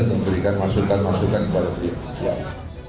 dan juga untuk membuatnya lebih berkonsentrasi